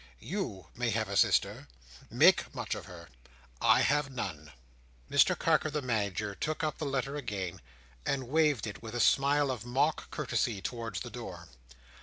You may have a sister; make much of her. I have none." Mr Carker the Manager took up the letter again, and waved it with a smile of mock courtesy towards the door.